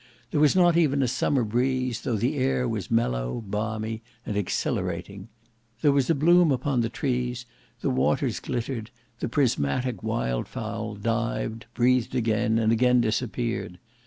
There was not even a summer breeze, though the air was mellow, balmy, and exhilarating. There was a bloom upon the trees, the waters glittered, the prismatic wild fowl dived, breathed again, and again disappeared.